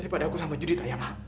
tadi padaku sama judit ayah mbak